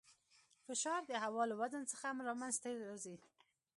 فشار د هوا له وزن څخه منځته راځي.